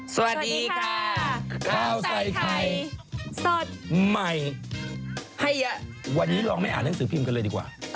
สวัสดีค่ะข้าวใส่ไข่สดใหม่ให้เยอะวันนี้ลองไม่อ่านหนังสือพิมพ์กันเลยดีกว่า